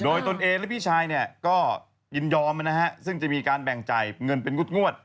โดยตนเองและพี่ชายเนี่ยก็ยินยอมนะฮะซึ่งจะมีการแบ่งจ่ายเงินเป็นงวด